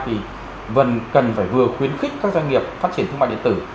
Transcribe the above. thì cần phải vừa khuyến khích các doanh nghiệp phát triển thương mại điện tử